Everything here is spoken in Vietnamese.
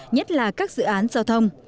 nhất là các dự án giao thông